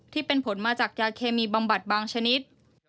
ที่เป็นผลมาจากยาเคมีบำบัดบางชนิด